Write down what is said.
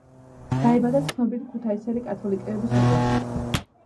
დაიბადა ცნობილი ქუთაისელი კათოლიკეების ოჯახში.